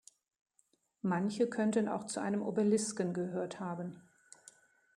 Manche könnten auch zu einem Obelisken gehört haben.